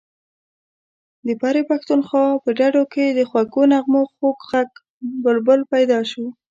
د برې پښتونخوا په ډډو کې د خوږو نغمو خوږ غږی بلبل پیدا شو.